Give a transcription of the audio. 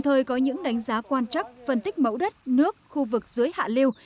mời có những đánh giá quan trắc phân tích mẫu đất nước khu vực dưới hạ liu